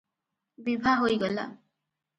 ବିଭା ହୋଇଗଲା।